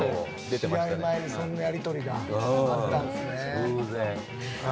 試合前にそんなやり取りがあったんですね。